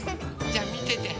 じゃあみてて。